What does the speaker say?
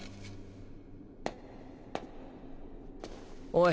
おい。